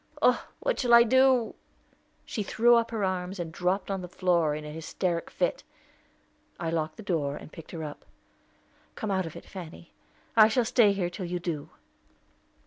Oh, what shall I do?" She threw up her arms, and dropped on the floor in a hysteric fit. I locked the door, and picked her up. "Come out of it, Fanny; I shall stay here till you do."